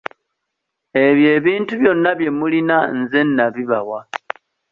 Ebyo ebintu byonna bye mulina nze nabibawa.